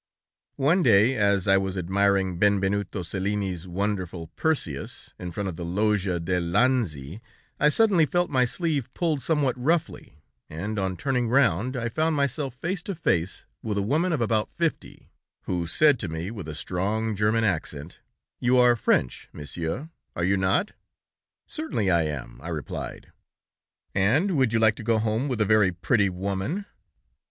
"One day as I was admiring Benvenuto Cellini's wonderful Perseus, in front of the Loggia del Lanzi, I suddenly felt my sleeve pulled somewhat roughly, and on turning round, I found myself face to face with a woman of about fifty, who said to me with a strong German accent: 'You are French, Monsieur, are you not?' 'Certainly, I am,' I replied. 'And would you like to go home with a very pretty woman?'